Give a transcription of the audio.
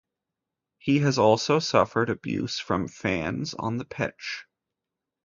He has also suffered abuse from fans on the pitch.